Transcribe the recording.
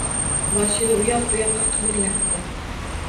Boshini uyoq-buyoqqa qimirlatdi.